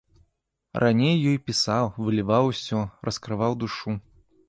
Раней ёй пісаў, выліваў усё, раскрываў душу.